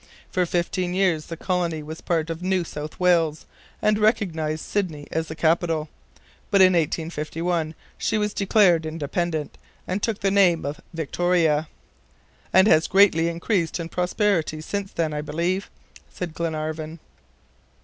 For fifteen years the colony was part of New South Wales, and recognized Sydney as the capital; but in 1851, she was declared independent, and took the name of Victoria." "And has greatly increased in prosperity since then, I believe," said Glenarvan.